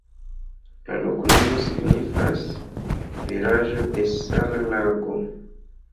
La loknomo signifas: vilaĝo de-sala-lago.